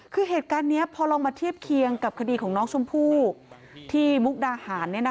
คือเหตุการณ์นี้พอลองมาเทียบเคียงกับคดีของน้องชมพู่ที่มุกดาหาร